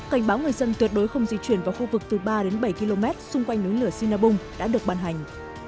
cảnh báo người dân tuyệt đối không di chuyển vào khu vực từ ba đến bảy km xung quanh núi lửa sinabung đã được ban hành